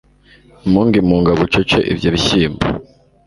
imungu imunga bucece ibyo bishyimbo